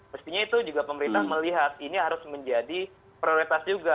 mestinya itu juga pemerintah melihat ini harus menjadi prioritas juga